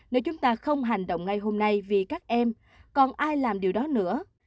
nếu chúng ta không hành động ngay hôm nay vì các em còn ai làm điều đó nữa